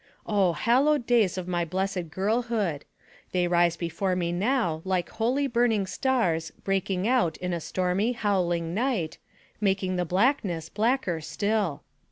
Oh, hallowed days of my blessed girl hood ! They rise before me now like holy burning stars breaking out in a stormy, howling night, making the blackness blacker still.